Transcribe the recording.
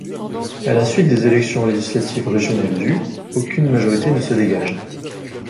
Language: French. À la suite des élections législatives régionales du, aucune majorité ne se dégage.